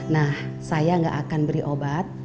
nah saya gak akan beli obat